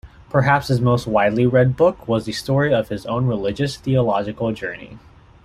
Perhaps his most widely read book was the story of his own religious-theological journey.